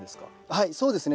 はいそうですね。